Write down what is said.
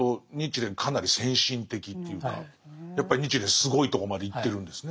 そう考えるとやっぱり日蓮すごいとこまでいってるんですね。